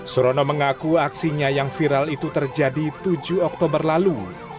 surono mengaku aksinya yang viral itu terjadi tujuh oktober lalu